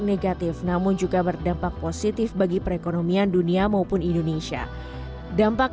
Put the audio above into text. negatif namun juga berdampak positif bagi perekonomian dunia maupun indonesia dampak